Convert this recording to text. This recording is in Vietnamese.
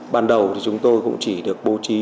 ban đầu thì chúng tôi cũng chỉ được bố trí